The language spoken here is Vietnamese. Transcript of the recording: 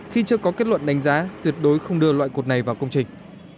khi chưa có kết luận đánh giá tuyệt đối không đưa loại cột này vào công trình